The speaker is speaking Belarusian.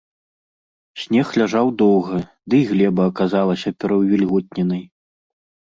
Снег ляжаў доўга, дый глеба аказалася пераўвільготненай.